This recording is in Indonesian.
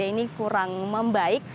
ini kurang membaik